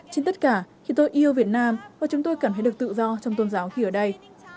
trên tất cả khi tôi yêu việt nam và chúng tôi cảm thấy được tự do trong tôn giáo khi ở đây